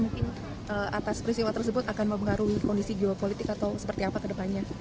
mungkin atas peristiwa tersebut akan mempengaruhi kondisi geopolitik atau seperti apa ke depannya